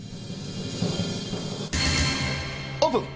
オープン。